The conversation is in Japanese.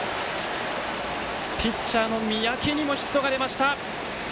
ピッチャーの三宅にもヒットが出ました。